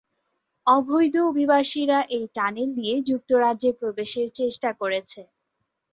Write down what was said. অবৈধ অভিবাসীরা এই টানেল দিয়ে যুক্তরাজ্যে প্রবেশের চেষ্টা করেছে।